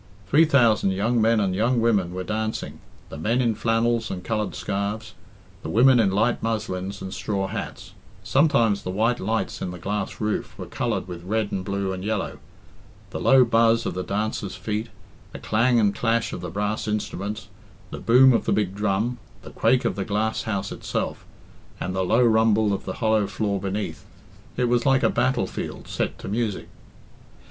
Three thousand young men and young women were dancing, the men in flannels and coloured scarves, the women in light muslins and straw hats. Sometimes the white lights in the glass roof were coloured with red and blue and yellow. The low buzz of the dancers' feet, the clang and clash of the brass instruments, the boom of the big drum, the quake of the glass house itself, and the low rumble of the hollow floor beneath it was like a battle field set to music.